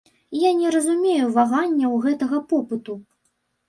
Я не разумею ваганняў гэтага попыту!